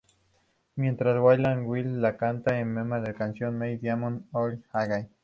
Mientras bailan, Will le canta a Emma la canción de Neil Diamond "Hello Again".